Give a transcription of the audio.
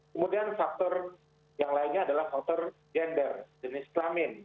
kemudian faktor yang lainnya adalah faktor gender jenis kelamin